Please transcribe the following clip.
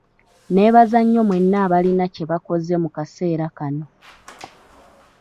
Nneebaza nnyo mwenna abalina kye bakoze mu kaseera kano.